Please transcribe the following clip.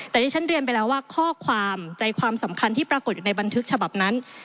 แต่ที่ฉันเรียนไปแล้วว่าข้อความใจความสำคัญที่ปรากฏอยู่ในบันทึกฉบับนั้น